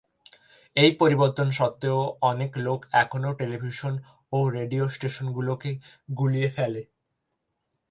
এই পরিবর্তন সত্ত্বেও, অনেক লোক এখনও টেলিভিশন ও রেডিও স্টেশনগুলোকে গুলিয়ে ফেলে।